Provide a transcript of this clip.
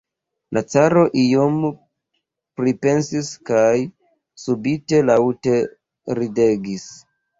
La caro iom pripensis kaj subite laŭte ridegis.